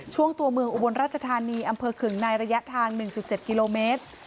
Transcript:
ช่วงตัวเมืองอบรรชธานีอำเภอขึงในระยะทางหนึ่งจุดเจ็ดกิโลเมตร